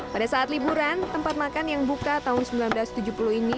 pada saat liburan tempat makan yang buka tahun seribu sembilan ratus tujuh puluh ini